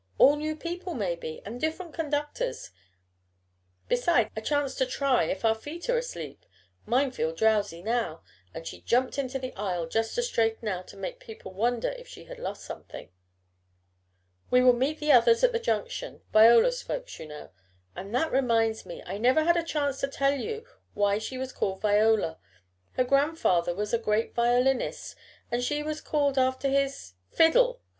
"All new people maybe, and different conductors, besides a chance to try if our feet are asleep mine feel drowsy now," and she jumped into the aisle just to straighten out and make people wonder if she had lost something. "We will meet the others at the junction Viola's folks, you know. And that reminds me, I never had a chance to tell you why she was called Viola. Her grandfather was a great violinist and she was called after his " "Fiddle!